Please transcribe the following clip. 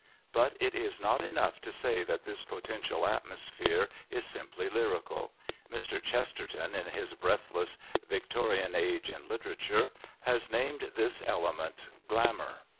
But it is not enough to say that this potential atmosphere is simply lyrical. Mr Chesterton, in his breathless Victorian Age in Literature, has named this element Glamour.